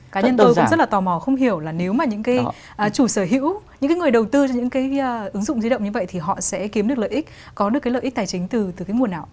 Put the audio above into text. cá nhân tôi cũng rất là tò mò không hiểu là nếu mà những cái chủ sở hữu những cái người đầu tư cho những cái ứng dụng di động như vậy thì họ sẽ kiếm được lợi ích có được cái lợi ích tài chính từ cái nguồn nào ạ